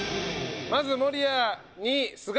まず守屋に菅井！